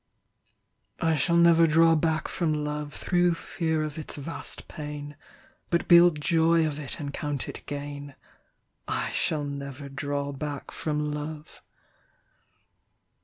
I shall never draw back from loveThrough fear of its vast pain, But build joy of it and count it gain.I shall never draw back from love.